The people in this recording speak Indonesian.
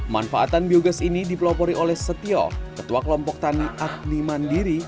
manfaatan biogas ini dipelopori oleh setio ketua kelompok tani agni mandiri